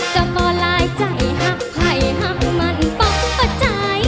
เจ้าป่าลายใจหักไผ่หักมันป้องกับใจ